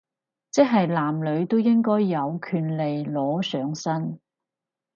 即係男女都應該有權利裸上身